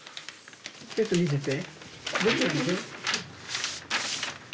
ちょっと見せて。